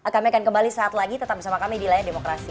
kami akan kembali saat lagi tetap bersama kami di layar demokrasi